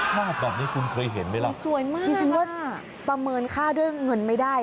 ภาพแบบนี้คุณเคยเห็นไหมล่ะสวยมากดิฉันว่าประเมินค่าด้วยเงินไม่ได้